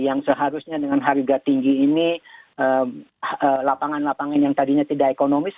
yang seharusnya dengan harga tinggi ini lapangan lapangan yang tadinya tidak ada lagi ya pak heranof